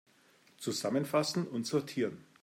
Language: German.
Zusammenfassen und sortieren!